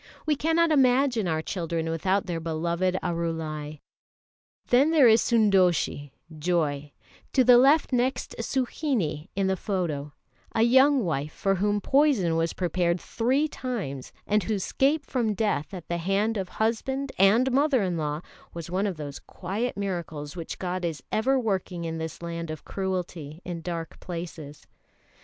We cannot imagine our children without their beloved Arulai. Then there is Sundoshie (Joy), to the left next Suhinie in the photo, a young wife for whom poison was prepared three times, and whose escape from death at the hand of husband and mother in law was one of those quiet miracles which God is ever working in this land of cruelty in dark places.